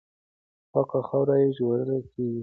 پاکه خاوره یې ژغورل کېږي.